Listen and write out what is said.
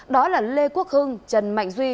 đó là lê quốc hưng trần mạnh duy